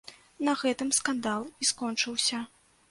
На гэтым скандал і скончыўся.